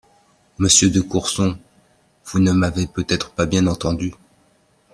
Monsieur de Courson, vous ne m’avez peut-être pas bien entendue.